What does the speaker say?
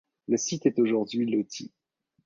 Le site est aujourd'hui loti.